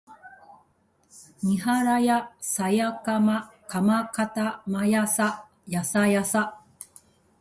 にはらやさやかまかまかたまやさやさやさ